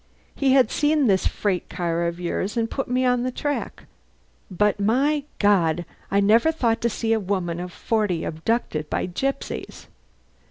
He had seen this freight car of yours and put me on the track. But my God! I never thought to see a woman of forty abducted by gypsies!"